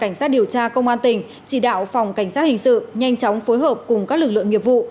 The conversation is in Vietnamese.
cảnh sát điều tra công an tỉnh chỉ đạo phòng cảnh sát hình sự nhanh chóng phối hợp cùng các lực lượng nghiệp vụ